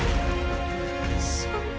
そんな。